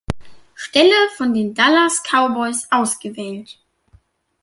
Stelle von den Dallas Cowboys ausgewählt.